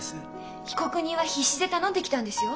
被告人は必死で頼んできたんですよ。